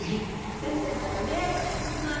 先生何か恋愛観古くない？